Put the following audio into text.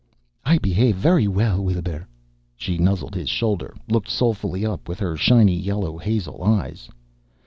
"I behave very well, Weelbrrr." She nuzzled his shoulder, looked soulfully up with her shiny yellow hazel eyes.